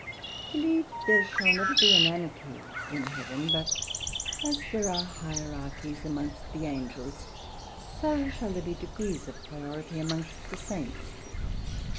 I believe there shall never be an Anarchy in Heaven, but as there are Hierarchies amongst the Angels, so shall there be degrees of priority amongst the Saints.